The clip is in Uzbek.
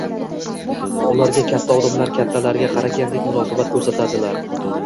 Ularga katta odamlar kattalarga qaragandek munosabat ko‘rsatadilar.